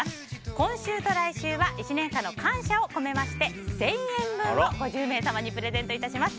今週と来週は１年間の感謝を込めまして１０００円分を５０名様にプレゼント致します。